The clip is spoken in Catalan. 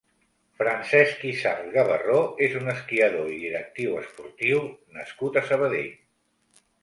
Francesc Izard Gavarró és un esquiador i directiu esportiu nascut a Sabadell.